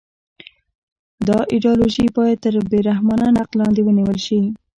دا ایدیالوژي باید تر بې رحمانه نقد لاندې ونیول شي